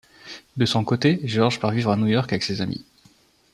De son côté, George part vivre à New York avec ses amis.